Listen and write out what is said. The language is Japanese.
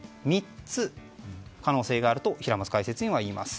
３つ、可能性があると平松解説委員は言います。